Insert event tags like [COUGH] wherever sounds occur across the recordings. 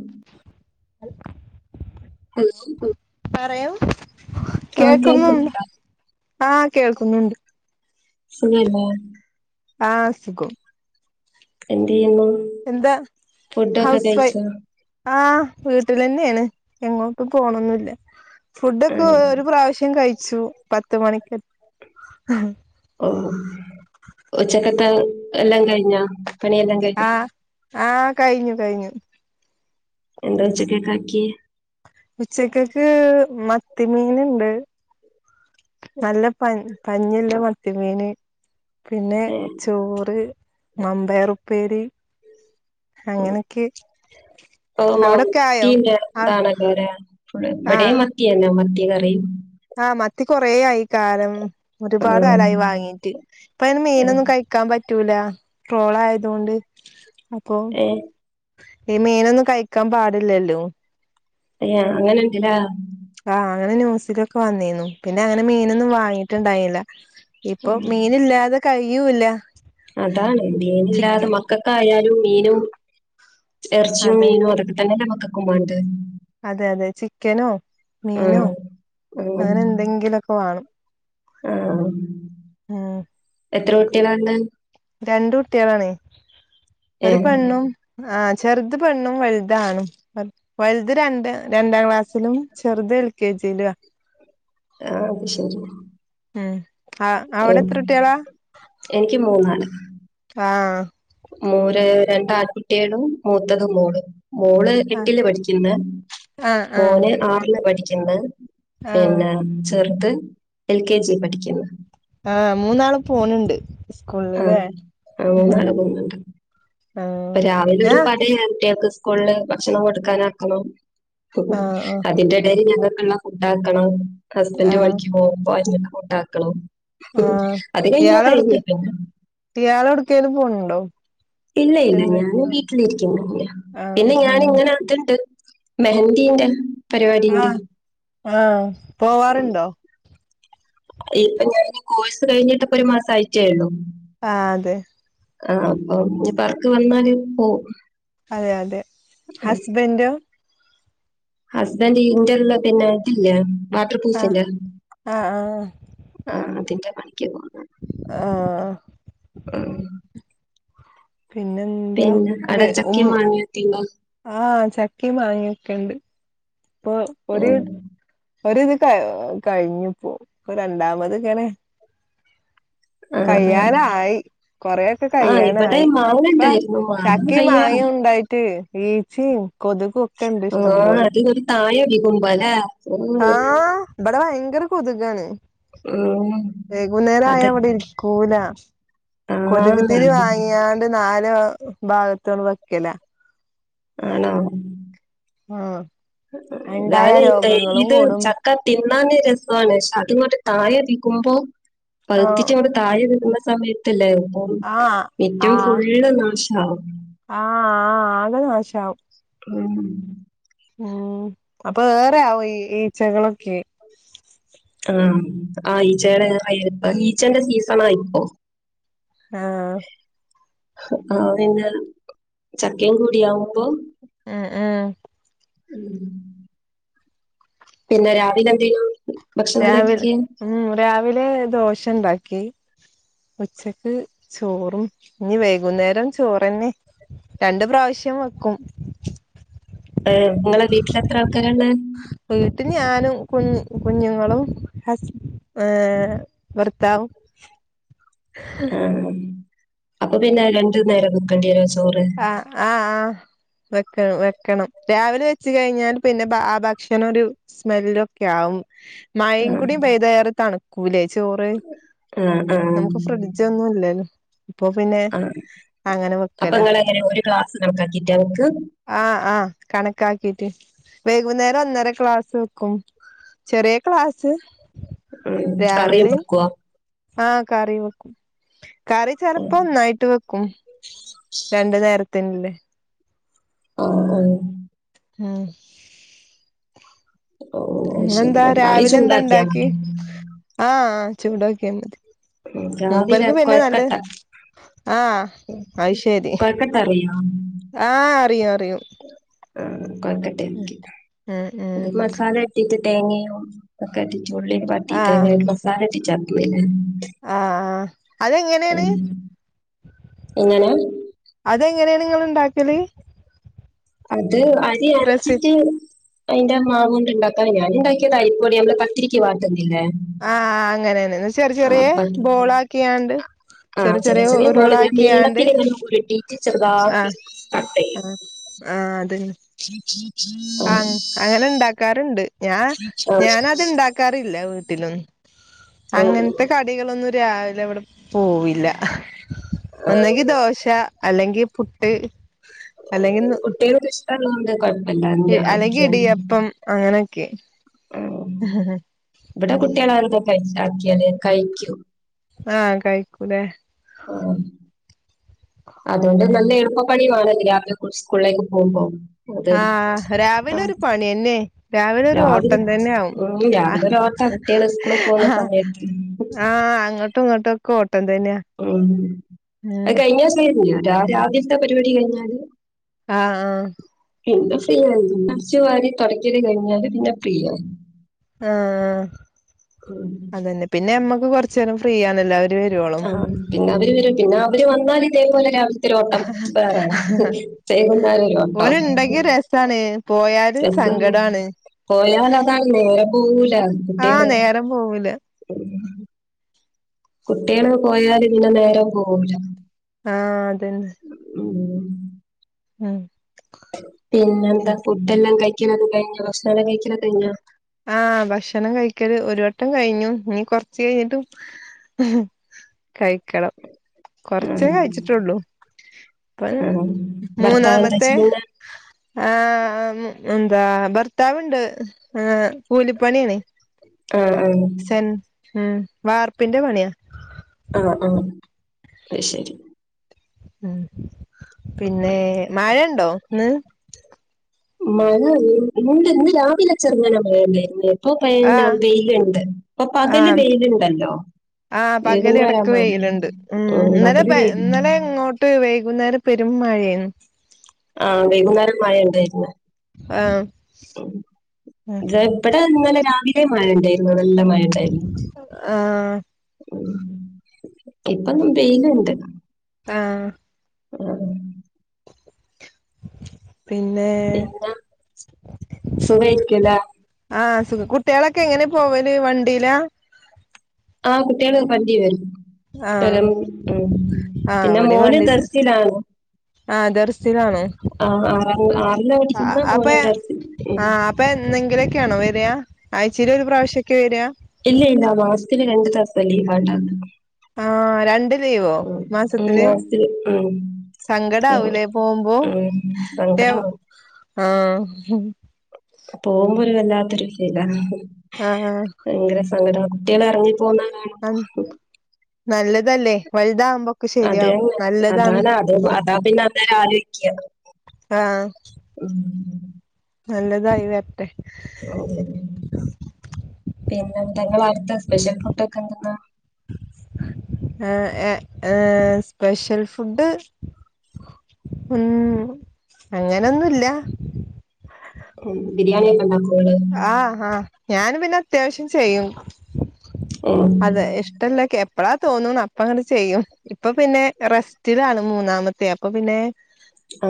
ഉം hello hello പറയൂ ആഹ് കേൾക്കുന്നുണ്ട് കേൾക്കുന്നുണ്ടോ ആ കേൾക്കുന്നുണ്ട്. സുഖല്ലേ. ആ സുഖം. എന്തെയ്യുന്നു. എന്താ ഹൗസ് വൈ ആ വീട്ടിലന്നേണ് എങ്ങോട്ടും പോണൊന്നുല്ല. ഫുഡൊക്കെ ആഹ് ഒരു പ്രാവശ്യം കഴിച്ചു പത്ത് മണിക്ക്. ഓ ഉച്ചക്കത്തെ എല്ലാം കഴിഞ്ഞാ പണിയെല്ലാം. ആ കഴിഞ്ഞോ ആ കഴിഞ്ഞു കഴിഞ്ഞു. എന്താ ഉച്ചക്കൊക്കാക്കി. ഉച്ചക്കക്ക് മത്തിമീന്ണ്ട്. നല്ല പ പഞ്ഞില്ല മത്തിമീന് പിന്നെ ഏഹ് ചോറ്. മമ്പയറുപ്പേരി അങ്ങനൊക്കെ. ഓ മത്തിന്റെ ആഹ് കാലല്ലെലോ ഇവിടെയും മ ത്തിയന്നെ മത്തികറി. ആ മത്തി കൊറേ ആയി കാലം ഒരുപാട് ആഹ് കലായി വാങ്ങീട്ട് ഇപ്പ അയ്ന് മീനൊന്നും കഴി. ക്കാൻ പറ്റൂല ട്രോള ആയത് കൊണ്ട് അപ്പൊ. ഏഹ് ഏഹ് ഈ മീനൊന്നും കഴിക്കാൻ പാടില്ലല്ലോ. ഏ അങ്ങനെ ഉണ്ട്ല്ലാ. ആഅങ്ങനെ ന്യൂസിലൊക്കെ വന്നീന്നു പിന്നെ അങ്ങനെ മീനൊന്നും വാങ്ങിട്ടുണ്ടായിന്നില ഇപ്പൊ ഉം മീനില്ലാതെ കഴിയൂല്ല. അതാണ് ചിക്ക മീനില്ലാതെ മക്കക്കായാലും മീനും. എറച്ചിയും അതെ മീനും അതൊക്കെ തന്നെല്ലേ മക്കക്കുമാണ്ട്. അതെ അതെ ചിക്കനോ മീനോ ആഹ് അങ്ങനെ എന്തെങ്കിലൊക്കെ വേണം. ആ ഉം എത്ര കുട്ട്യേളാണ് ഉള്ളത് രണ്ട് കുട്ട്യേളാണ് ഏ ഒരു പെണ്ണും. ആ ചെറുത് പെണ്ണും വലുത് ആണും. വലുത് രണ്ട് രണ്ടാം ക്ലാസ്സിലും ചെറുത് എൽ കെ ജിയിലുആ ആ അത് ശരി. ഉം ആ ഓ അവിടെ എത്ര കുട്ടികളാ എനിക്ക് ആ മൂര രണ്ട് ആൽകുട്ടികളും മൂത്തത് മോള് മോള്. ആഹ് എട്ടില് പഠിക്ക്ന്ന് ആഹ് മോന് ആറില് പഠിക്ക്ണ്ട് ആഹ് പിന്നെ ചെർത് എൽ കെ ജി പഠിക്കുന്നു. ആഹ് മൂന്നാള് പോണുണ്ട് ആ സ്കൂളിലേ. ആ മൂന്നാള് പോകുന്നുണ്ട് ഇപ്പൊ രാവിലെ ഒരു പടയ കുട്ടിയേക്ക് സ്കൂളില് ഭക്ഷണം കൊടുക്കാനാക്കണം. ആഹ് ആഹ് അതിന്റെ എടല് ഞങ്ങക്കുള്ള ഫുഡാക്കണം. ഹസ്ബന്റ് ആഹ് വർക്കി പോകുമ്പോ അവർക്ക് ഫുഡാക്കണം അത് കഴിഞ്ഞ കഴിഞ്. ഇയാളോട്കേലും പോണ് ണ്ടോ? ഇല്ലയില്ല ഞാൻ വീട്ടിലിരിക്കും ആഹ് പിന്നെ ഉം ഞാനിങ്ങനെ അതിണ്ട്. മെഹൻന്ദിയിടാൻ ആഹ് ആഹ് പോവാറുണ്ടോ ഇപ്പൊ ഞാൻ കോഴ്സ് കഴിഞ്ഞിട്ട് ഇപ്പൊ ഒരു മാസം ആയിട്ടേയുള്ളൂ ആഹ് അതെ ആഹ് അപ്പൊ ഈ വർക്ക് വന്നാല് പോവു അതെ അതെ ഹസ്ബൻഡോ ഹസ്ബൻഡ് ഈ ഇന്റർലേ പിന്നെ ഇതില്ലേ വാട്ടർ ആഹ് പ്രൂഫിന്റെ ആഹ് ആഹ് ആഹ് അഹ് അതിന്റെ പണിക്കാ പോന്നെ ആഹ് ഉംഹ് പിന്നെന്ത് പിന്നെ അട ചക്കയെ മാങ്ങ ഒക്കെയുണ്ടോ ആഹ് ചക്കയെ മാങ്ങയൊക്കെയുണ്ട് ഇപ്പൊ ആ ഒരെ ഒര് ഇത് കഴി കഴിഞ്ഞിപ്പോ രണ്ടാമത് ഇങ്ങനെ ആ. കയ്യാനായി കൊറെയൊക്കെ ആ ഇവിടെ കയ്യാനായി മാങ്ങ ഇപ്പ ഉണ്ടായിരുന്നു മാങ്ങ ചക്കയെ കയ്യാറും മങ്ങയും ഉണ്ടായിട്ട് ഈച്ചയും കൊതു ഓഹ് അത് ഒരു താഴെ ടി താ ഇവ്ടെ ഭയങ്കര കെതുകാണ് ഉം. വൈകുന്നേര ആയാ അത് ഇവ്ടെ ഇരിക്കൂല ആഹ് കൊതുകുതിരി അത് വാങ്ങിയാണ്ട് നാല് ഭാഗ ഭാഗത്തോന്ന് വെക്കല ആണോ ഉംഹ് ഗാലത്ത [UNINTELLIGIBLE] ഇത് കൂടും ച ക്കാ തിന്നാൻ രസണ് പക്ഷെ അതിയിങ്ങോട്ട് താഴെത്തിക്കുമ്പോ പ ആഹ് ഴുത്തിട്ട ഇങ്ങനെ താഴെ വരുന്ന സമയത്തല്ലേ ആഹ് ഏറ്റവും ഫുള്ള് നാശം ആവും ആഹ് ആഹ് ആകെ നാശാവും ഉംഹ് ഉംഹ് അപ്പൊ ആരാ ഈ ഈച്ചകളൊക്കെ ആഹ് ആ ഈച്ചയെടെ ഇപ്പ ഈച്ചന്റെ സീസൺ ആഹ് ഇപ്പൊ ആഹ് ആഹ് പിന്നെ ചക്കയും കൂടിയകുമ്പോ ഉംഹ് ഉംഹ് ഉം പിന്നെ രാവിലെ എന്തെനു രാവിലെ ഉംഹ് രാവിലെ ദോശ ഒണ്ടാക്കി ഉച്ചക്ക് ചോറും ഇനി വൈകുന്നേരം ചോറെന്നെ രണ്ട് പ്രാവശ്യം വെക്കും ഏഹ് നിങ്ങളെ വീട്ടില് എത്ര ആൾക്കാര് ഉണ്ട് വീട്ടില് ഞാനും കുഞ്ഞു കുഞ്ഞും മോളും ഹസ് ഏഹ് ഭർത്താവും ആഹ് അപ്പൊ പിന്നെ രണ്ടു നേരം വെക്കേണ്ടി വരുവോ ചോറ് ആഹ് ആഹ് ആഹ് വെക്കണം വെക്കണം രാവിലെ വെച്ച് കഴിഞ്ഞാൽ പിന്നെ ആ ഭക്ഷണം ഒരു സ്മെൽ ഒക്കെ ആവും മഴയും ആഹ് കൂടി പെയ്താൽ ഏറെ തണു കൂല ചോറ് ആഹ് ആഹ് നമുക്ക് ഫ്രിഡ്ജ് ഒന്നുംല്ലല്ലോ ഇപ്പൊ പിന്നെ ആ അങ്ങനെ അപ്പൊ വെക്കലാ ഇങ്ങൾ എങ്ങനെ ഒരു ഗ്ലാസ് കണക്കാക്കിറ്റാ വക്ക് ആ ആ കണക്കാക്കീട്ട് വൈകുന്നേരം ഒന്നര ക്ലാസ് വെക്കും ചെറിയ ക്ലാസ് ഉം കറിയ വെക്കവാ ആ കറി വെക്കും കറി ചെിലപ്പോ ഓഹ് ഒന്നായിട്ട് വെക്കും രണ്ടു നേരത്തിന്നല്ലേ ഹ ഓ ആഹ ഓഹ് അത് ശരി ഇങ്ങെന്താ അത് കറി രാവിലെ എന്താ ചൂടാക്കിയാ ഇണ്ടാക്കി മതി ആഹ ചൂടോക്കിയ മതി ഉം രാവിലെ മൂപ്പർക്ക് പിന്നെ നല്ല കൊഴക്കട്ട ആഹ് ഉം, അശേരി കൊഴക്കട്ട ആഹ അറിയും അറിയും ആ കൊഴക്കട്ടക്ക ഉം ഉം അത് മസാല ഇീട്ട് തേങ്ങയും ഒക്കെട്ട ച ഉുള്ളി ആഹ് പട്ടിട്ടങ്ങ മസാലട്ട് ചപ്പല്ല ആ അതെങ്ങനെയാണ് എങ്ങനെ അതെങ്ങനെയാണ് നിങ്ങ ഉണ്ടാക്കിയത് അത് അരി റെസി അരച്ചിട്ട് അയിന്റെ മാവുക കൊണ്ട് ഉണ്ടാക്കാ ഞാനൻ ഉണ്ടാക്കിയതാ ഇപ്പോൊടി നമ്മള് പത്തിരിക്ക് വാട്ടുന്നില്ലേ ആഹ അങ്ങനെന്നെ ചെറിയ ചെറിയ ബോള ആക്കിയാണ്ട് ആഹ് ചെറിയ ചെറിയ ബോള് ഞാൻ നീളത്തി എങ്ങനെ ഉരുട്ടിട്ട് ചെറുതാക്കി കട്ട ചെയ്യും ആഹ അത [UNINTELLIGIBLE] ആഹ അങ്ങനെ ഉണ്ടാക്കാറുണ്ട് ഞാ ഞാനത്ണ്ട കറില്ല വീട്ടിലും ആ അങ്ങനത്ത കടികളൊന്നും രാവിലെ ഇവിടെ പോവില്ല ആ ആ ഒന്നെങ്കി ദോശ അല്ലെങ്കിൽ പുട്ട് അല്ലെങ്കി കുട്ടിൾക്ക് ഇഷ്ടള്ളൊണ്ട് കുഴപ്പം അലകി ഇടിയപ്പം അങ്ങനൊക്കെ ആ ഇവിടെ കുട്ടികളെ എന്തോ പൈാക്കിയല് കഴിക്കൂ ആഹ കഴിക്കൂല ആഹ അതുകൊണ്ട് നല്ല എളുപ്പപ്പണി വണല്ല സ്കൂളിലേക്ക് പോകുമ്പോൾ ആഹ രാവിലെ ഒരു പണിന്നെ രാവിലെ ഒരു ഓട്ടം തന്നെ ആവും ഉം ആ രാവിലെ ഒരോട്ടാ കുട്ടികള് സ്കൂളിൽ പോകുന്ന സമയത്ത് ആ ആഹ അങ്ങോട്ടും ഇങ്ങോട്ടും ഒക്കെ ഓട്ടം തന്നെയാ ഉം അ ഉം കഴിഞ്ഞാ സീ രാവിലത്തെ പരിപാടി കഴിഞ്ഞാല് ആഹ ആഹ പിന്നെ ഫീ ആയി അച്ചു വരി തുടയ്ക്കൽ കഴിഞ്ഞാല് പിന്നെ ഫീ ആയി ആഹ ഉം അതന്നെ പിന്നെ നമ്മക്ക് കുറച്ച നേരം ഫ്രീ ആണല്ല ആ പിന്നെ അവര് വരും പിന്നെ അവര് വന്നാലൽ ഇതേപോലെ രാവില ഒത്തിരിോട്ടം പറയാ വെയ്ക്കുന്നെരം കുന്നരരുോട്ടം ഓല് ഇണ്ടെങ്കി രസാണ് പോയാല് സങ്കടാണ് പോയാല അതാണ് ഓരെ പോവല ആഹ് കുട്ടികള് നേരം പോവൂല കുട്ടികൾ പോയല് പിന്നെ നേരെ പോകില്ല ആഹ് അതന്നെ ഉം ഉം പിന്നെ എന്താ ഫുഡ് എല്ലാം കഴിക്കണ് കഴിഞ്ഞോ ഭക്ഷണം കഴിക്കൽ കഴിഞ്ഞോ ആഹ് ഭക്ഷണം കഴിക്കരു ഒരു വട്ടം കഴിഞ്ഞു നീ കൊറച്ച് കഴിഞ്ഞിട്ട് കഴിക്കണം കൊറച്ചേ ആ കഴിച്ചിട്ടുള്ളൂ പ ആ ഭർത്താവ് എന്താ മൂന്നാമത്തെ ചെയ്യുന്നെ ആ എന്താ ഭർത്താവ്ണ്ട് ആ കൂലിപ്പണിയണ ആഹ് ആഹ് സെൻ ഉ വാർപ്പിന്റെ പണിയാ ആഹ് ആഹ് അയിശരി ഉം പിന്നെ മഴയണ്ടോ ഇന്ന് മഴ ഉണ്ട് ഇന്ന് രാവിലെ ചെറങ്ങന മഴ ഉണ്ടായിരുന്നു അപ്പൊ പിന്ന ആഹ് വെയിലുണ്ട് ഇപ്പൊ പകല് വെയിലുണ്ടല്ലോ ആ പകല് വൈകുന്നേരാ ഇടക്ക് മഴ വെയിലുണ്ട് ഉം ഇന്നലെ പകല് വെയിലുണ്ട് ഇന്നലെ ഇങ്ങോട്ട് ട്ട് വൈകുന്നേരം പെരും മഴയാന്നു ആഹ് വൈകുന്നേരം മഴ ഉണ്ടായിരുന്ന് ആഹ് ഇത് എവിടെ ഇന്നലെ രാവിലേം മഴ ഉണ്ടായിരുന്നു നല്ല മഴ ഉണ്ടായിരുന്നു ആഹ് ഉം ഇപ്പം വെയിലുണ്ട് ആഹ് [UNINTELLIGIBLE] പിന്നെ പിന്നെ സുഖായിരിക്കില്ല ആഹ് സുഖം കുട്ട്യേളൊക്കെ എങ്ങനെ പോവല് വണ്ടിയിലാ ആഹ് കുട്ട്യേള് വണ്ടി വരും ആഹ് പം ഉം ആഹ് പിന്നെ ഇവിടേം മോന് വണ്ടി ദർസിലാണ് ആഹ് ദെർസിലാണ് ആ ആറ ആറില്ല പടിക്കുന്നെ അപ്പൊ മോന് ദർസിൽ ആഹ് അപ്പൊ എന്നെങ്കിലൊക്കെയാണോ വര്യാ ആഴ്ചയിൽ ഒരു പ്രാവശ്യൊക്കെ വര്യാ ഇല്ലെ മാസത്തില് രണ്ടു ദിവസത്തെ ലീവ ഉണ്ടാരുന്നെ ആഹ് രണ്ട് ലീവോ ഉം മാസത്തില് ഉം സങ്കടവൂലേ പോകുമ്പോ ഉം സങ്കടാവും ആഹ് പോകുമ്പോ ഒരു വല്ലാത്തൊരു ഫീലാ ആഹ് ആഹ് ഭയങ്കര സങ്കടാ കുട്ട്യേള് ഇറങ്ങിപ്പോന്നകാണുമ്പം ആഹ് നല്ലതല്ലേ വലുതാവുമ്പോ അതെന്നെ അതാണ് അത് അതാ പിന്നെ അന്നേരം ആലോചിക്ക ആഹ് ഉം നല്ലതായി വരട്ടെ ഓ പിന്നെന്ത നിങ്ങളെടുത്ത സ്പെഷ്യൽ ഫുഡൊക്കെ എന്തെന്നാ സ്പെഷ്യൽ ഫുഡ് ഉം അങ്ങനൊന്നില്ല ഉം ബിരിയാണിയൊക്കെ ഉണ്ടാക്കോ ആഹാ ഞാന് പിന്നെ അത്യാവശ്യം ചെയ്യും ഉം ഇഷ്ടല്ലൊക്കെ എപ്പളാ തോന്ന്ണു അപ്പങ്ങ്ട് ചെയ്യും ഇപ്പൊ പിന്നെ റെസ്റ്റിലാണ് മൂന്നാമത്തെ അപ്പൊ പിന്നെ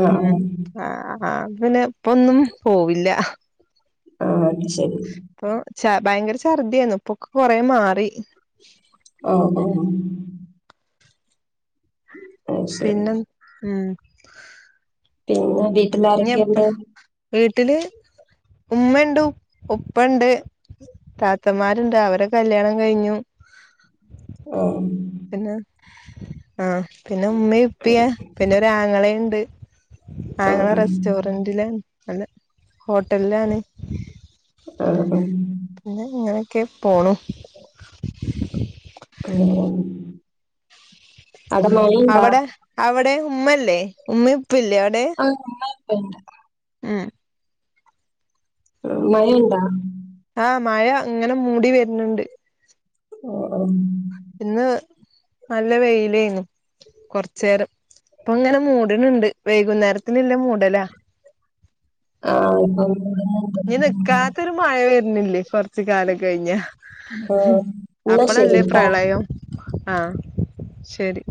ആഹ് ഉം ആഹ് ആഹ് ആഹ് അപ പിന്നെ ഇപ്പൊന്നും പോവില്ല ആഹ് അത് ശരി ആഹ് ഭയങ്കര ഛർദിയേന്നു ഇപ്പൊക്കെ കൊറേ മാറി ഓഹ് ഓഹ് അത് ശരി പിന്നെന്ത് ഉം പി ഊബി ഇഞി എപ്പള വീട്ടില് ഉമ്മണ്ട് ഉപ്പണ്ട് താത്തമാര്ണ്ട് അവരെ കല്യാണം കഴിഞ്ഞു ആഹ് പിന്നെ ആഹ് പിന്നെ ഉമ്മി ഉപ്പി പിന്ന ഒരാങ്ങളീണ്ട് ആഹ് ന്റിലാണ് നല്ല ഹോട്ടൽലാണ് പിന്നെ ഇങ്ങനൊക്കെ പോണു ആഹ് അവ്ടെ അവ്ടെ ഉമ്മല്ലെ ഉമ്മി ഉപ്പി ഇല്ലെ അവ്ടെ ഉമ്മ ഉപ്പണ്ട് ഉം മഴണ്ടാ ആഹ് മഴ ഇങ്ങന മൂടി വർണ് ണ്ട് ആഹ് ഇന്ന് നല്ല വെയിലേന്നു കൊറ്ച്ചേരം ഇപ്പ ഇങ്ങന മൂട്ണ് ണ്ട് വൈകുന്നേരത്തിനില്ല മൂടലാ ആഹ് ന ഉം നിക്കാത്തൊരു മഴ വര്ന്നില്ലെ കൊറ് കൊറ്ച്ച് കാലം കഴിഞ്ഞ ആഹ് എന്നാ അപ്പളല്ലെ ശരിട്ടാ പ്രളയം ആഹ് ശരി